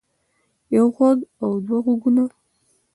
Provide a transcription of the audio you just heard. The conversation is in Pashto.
يو غوږ او دوه غوږونه